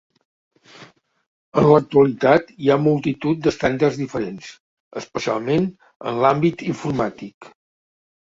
En l'actualitat hi ha multitud d'estàndards diferents, especialment en l'àmbit informàtic.